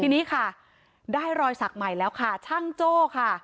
ทีนี้ค่ะได้รอยสักใหม่แล้วค่ะช่างโจ้ค่ะ